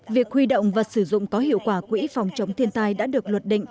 việc huy động và sử dụng có hiệu quả quỹ phòng chống thiên tai đã được luật định